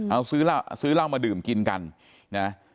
เอาซื้อเหล้ามาดื่มกินกันนะ